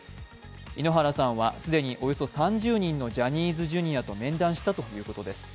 井ノ原さんは既におよそ３０人のジャニーズＪｒ．と面談したということです。